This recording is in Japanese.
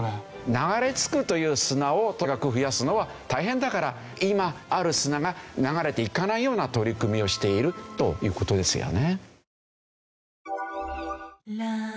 流れ着くという砂をとにかく増やすのは大変だから今ある砂が流れていかないような取り組みをしているという事ですよね。